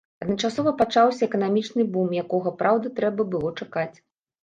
Адначасова пачаўся эканамічны бум, якога, праўда, трэба было чакаць.